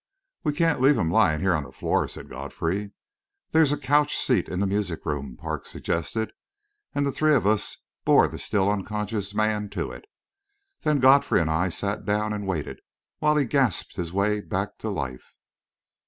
"We can't leave him lying here on the floor," said Godfrey. "There's a couch seat in the music room," Parks suggested, and the three of us bore the still unconscious man to it. Then Godfrey and I sat down and waited, while he gasped his way back to life.